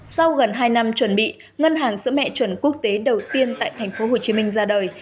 sau gần hai năm chuẩn bị ngân hàng sữa mẹ chuẩn quốc tế đầu tiên tại tp hcm ra đời